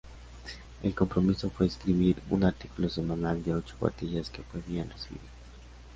El compromiso fue escribir un artículo semanal de ocho cuartillas que fue bien recibido.